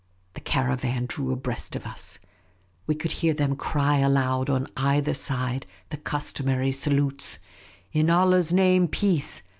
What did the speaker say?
The caravan drew abreast of us. We could hear them cry aloud on either side the customary salutes : "In Allah's name, peace